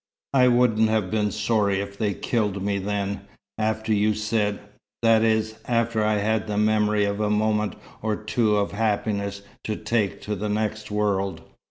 I wouldn't have been sorry if they'd killed me then, after you said that is, after I had the memory of a moment or two of happiness to take to the next world."